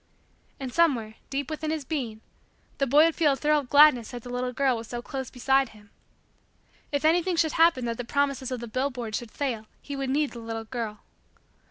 And somewhere, deep within his being, the boy would feel a thrill of gladness that the little girl was so close beside him. If anything should happen that the promises of the billboards should fail he would need the little girl.